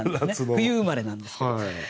冬生まれなんですけど。